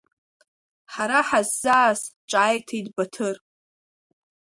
Ҳара ҳаззааз, ҿааиҭит Баҭыр…